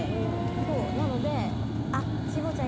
そうなのであっちーぼぉちゃん